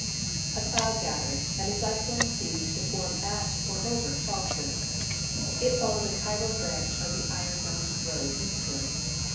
A cloud gathered, and a cyclone seemed to form at, or over, Charleston. It followed the Cairo branch of the Iron Mountain Road eastward.